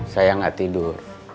saya gak tidur